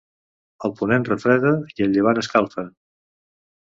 El ponent refreda i el llevant escalfa.